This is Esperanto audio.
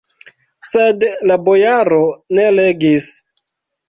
Sed la bojaro ne legis.